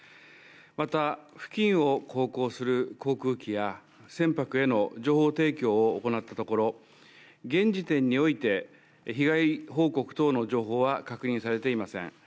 また付近を航行する航空機や、船舶への情報提供を行ったところ、現時点において、被害報告等の情報は確認されていません。